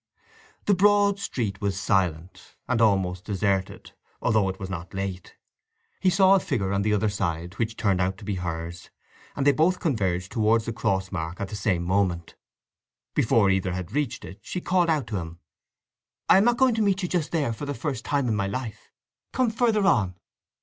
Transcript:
The broad street was silent, and almost deserted, although it was not late. He saw a figure on the other side, which turned out to be hers, and they both converged towards the crossmark at the same moment. Before either had reached it she called out to him: "I am not going to meet you just there, for the first time in my life! Come further on."